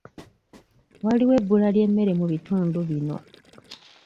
Waliwo ebbula ly'emmere mu bitundu bino.